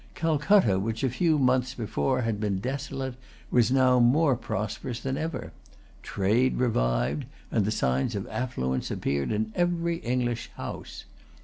Calcutta, which a few months before had been desolate, was now more prosperous than ever. Trade revived; and the signs of affluence appeared in every English house.